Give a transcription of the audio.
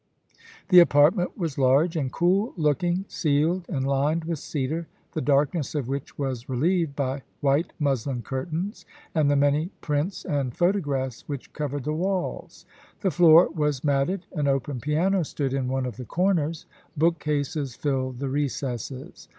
The apartment was large and cool looking, ceiled and lined with cedar, the darkness of which was relieved by white muslin curtains, and the many prints and photographs which covered the walls. The floor was matted ; an open piano stood in one of the corners, book cases filled the recesses.